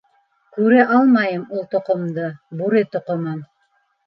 Күрә алмайым ул тоҡомдо, бүре тоҡомон!